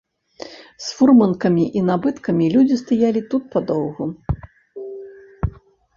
З фурманкамі і набыткам людзі стаялі тут падоўгу.